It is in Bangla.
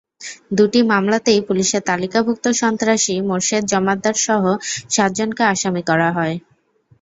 দুটি মামলাতেই পুলিশের তালিকাভুক্ত সন্ত্রাসী মোরশেদ জমাদ্দারসহ সাতজনকে আসামি করা হয়।